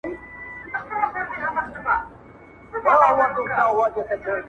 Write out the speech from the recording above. نه به په خولو کي نه به په زړه یم-